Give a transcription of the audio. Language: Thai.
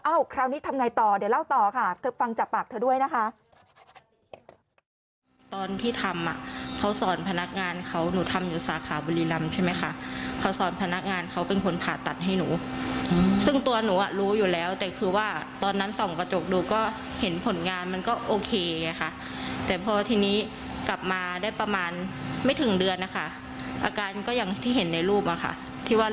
คราวนี้ทำไงต่อเดี๋ยวเล่าต่อค่ะเธอฟังจากปากเธอด้วยนะคะ